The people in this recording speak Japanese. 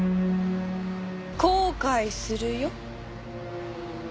後悔するよ？